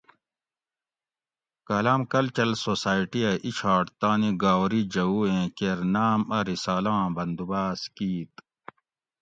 کالام کلچرل سوسائٹی اۤ ہیچھاٹ تانی گاؤری جوؤ ایں کیر نام ا رسالاں بندوباۤس کِیت